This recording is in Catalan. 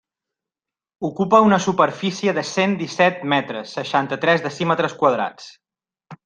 Ocupa una superfície de cent disset metres, seixanta-tres decímetres quadrats.